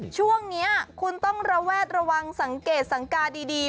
ช่วงนี้คุณต้องระแวดระวังสังเกตสังกาดี